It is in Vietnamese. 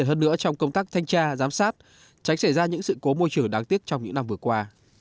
hơn nữa trong công tác thanh tra giám sát tránh xảy ra những sự cố môi trường đáng tiếc trong những năm vừa qua